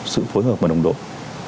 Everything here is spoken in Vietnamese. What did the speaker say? sự phối hợp và đồng đội